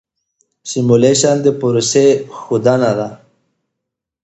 سیمولیشن د پروسې ښودنه ده.